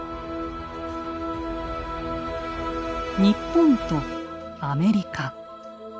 日本とアメリカ。